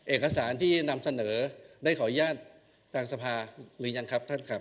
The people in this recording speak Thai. เอกสารที่นำเสนอได้ขออนุญาตทางสภาหรือยังครับท่านครับ